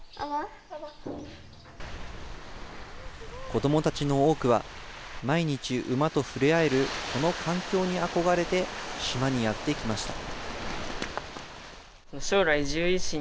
子どもたちの多くは、毎日、馬と触れ合えるこの環境に憧れて、島にやって来ました。